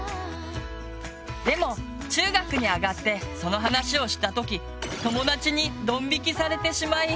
でも中学に上がってその話をした時友達にドンびきされてしまい